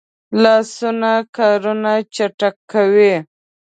لاسونه کارونه چټکوي